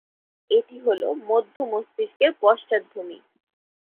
এটি হল মধ্য মস্তিষ্কের পশ্চাৎ ভূমি।